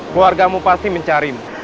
keluarga mu pasti mencarimu